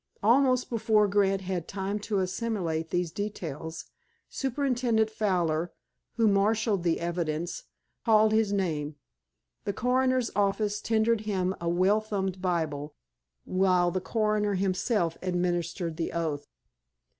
Almost before Grant had time to assimilate these details Superintendent Fowler, who marshalled the evidence, called his name. The coroner's officer tendered him a well thumbed Bible, while the coroner himself administered the oath.